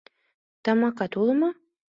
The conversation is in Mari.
Тамакат уло мо?